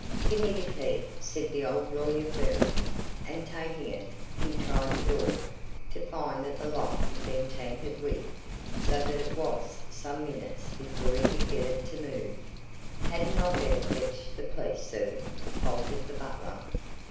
"Give me the key," said the old lawyer firmly, and taking it, he tried the door, to find that the lock had been tampered with, so that it was some minutes before he could get it to move. "Hadn't I better fetch the police, sir?" faltered the butler.